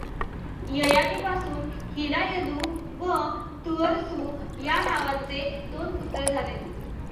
ययातीपासून हिला यदु व तुर्वसु या नावांचे दोन पुत्र झाले.